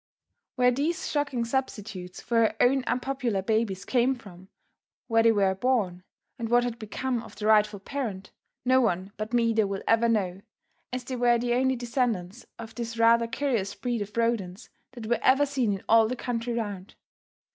Where these shocking substitutes for her own unpopular babies came from, where they were born and what had become of the rightful parent, no one but Maida will ever know, as they were the only descendants of this rather curious breed of rodents that were ever seen in all the country round.